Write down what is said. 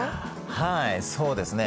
はいそうですね。